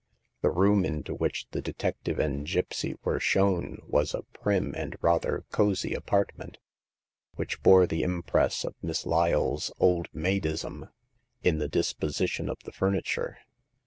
The room into which the detective and gipsy were shown was a prim and rather cosy apart ment, which bore the impress of Miss Lyle's old maidism in the disposition of the furniture.